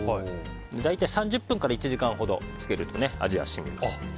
大体３０分から１時間ほど漬けると味が染みます。